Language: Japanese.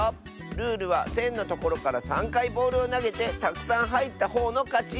ルールはせんのところから３かいボールをなげてたくさんはいったほうのかち！